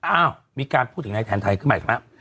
อ้าวมีการพูดถึงนายแทนไทยขึ้นมาอีกแล้ว